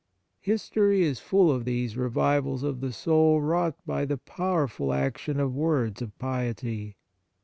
History is full of these revivals of the soul wrought by the powerful action of words of piety.